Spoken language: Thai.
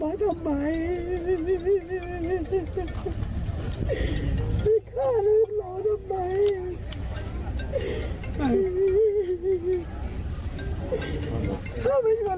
โอ้โหไม่หาลูกก่อน